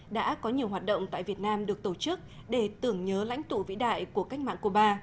đã có nhiều hoạt động tại việt nam được tổ chức để tưởng nhớ lãnh tụ vĩ đại của cách mạng cuba